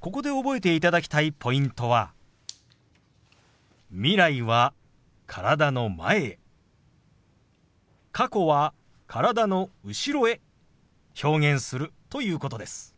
ここで覚えていただきたいポイントは未来は体の前へ過去は体の後ろへ表現するということです。